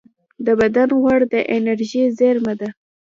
د بدن غوړ د انرژۍ زېرمه ده